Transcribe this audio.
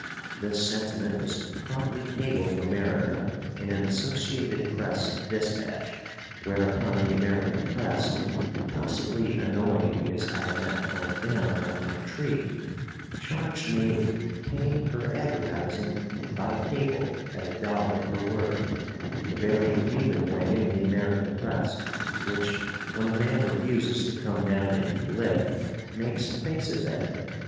This sentiment was promptly cabled to America in an Associated Press despatch, whereupon the American press (possibly annoyed because I had not climbed down out of my tree) charged me with paying for advertising by cable at a dollar per word the very human way of the American press, which, when a man refuses to come down and be licked, makes faces at him.